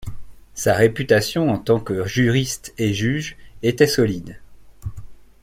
Sa réputation en tant que juriste et juge était solide.